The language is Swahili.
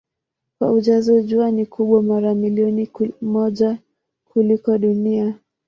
Kwa ujazo Jua ni kubwa mara milioni moja kuliko Dunia.